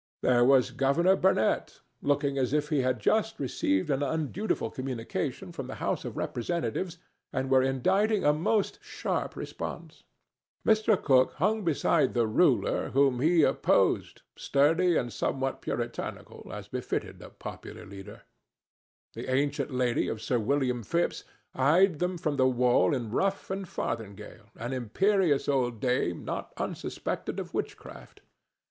There was Governor Burnett, looking as if he had just received an undutiful communication from the House of Representatives and were inditing a most sharp response. Mr. Cooke hung beside the ruler whom he opposed, sturdy and somewhat puritanical, as befitted a popular leader. The ancient lady of Sir William Phipps eyed them from the wall in ruff and farthingale, an imperious old dame not unsuspected of witchcraft.